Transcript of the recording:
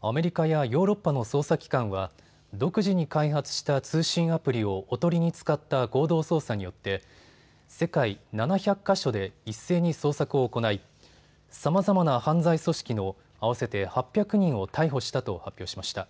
アメリカやヨーロッパの捜査機関は独自に開発した通信アプリをおとりに使った合同捜査によって世界７００か所で一斉に捜索を行いさまざまな犯罪組織の合わせて８００人を逮捕したと発表しました。